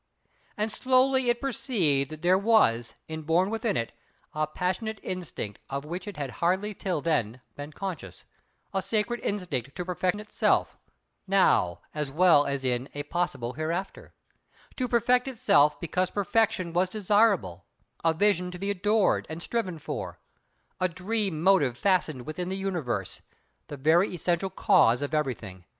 And slowly it perceived that there was, inborn within it, a passionate instinct of which it had hardly till then been conscious—a sacred instinct to perfect itself, now, as well as in a possible hereafter; to perfect itself because Perfection was desirable, a vision to be adored, and striven for; a dream motive fastened within the Universe; the very essential Cause of everything.